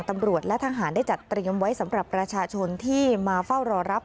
ตำรวจและทหารได้จัดเตรียมไว้สำหรับประชาชนที่มาเฝ้ารอรับ